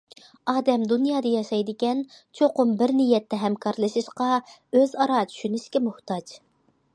ئادەم دۇنيادا ياشايدىكەن، چوقۇم بىر نىيەتتە ھەمكارلىشىشقا، ئۆزئارا چۈشىنىشكە موھتاج.